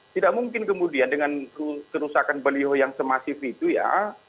tidak mungkin kemudian dengan kerusakan beliau yang semasif itu ya